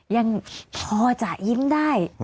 ยังพอจะยิ้มได้